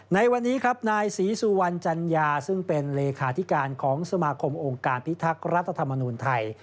ในวันนี้ครับนายศรีสุวรรณจัญญาซึ่งเป็นเลขาธิการของสมาคมองค์การพิทักษ์รัฐธรรมนูญไทย